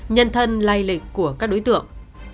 nhân thân lai lịch của các đối tượng